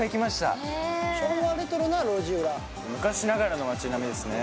ええ昭和レトロな路地裏昔ながらの街並みですね